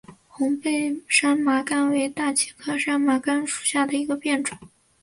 红背山麻杆为大戟科山麻杆属下的一个变种。